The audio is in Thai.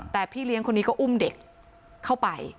แต่พี่เลี้ยงคนนี้ก็อุ้มเด็กเข้าไป